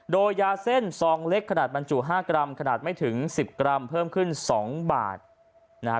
โดยยาเส้นซองเล็กขนาดบรรจุ๕กรัมขนาดไม่ถึงสิบกรัมเพิ่มขึ้น๒บาทนะฮะ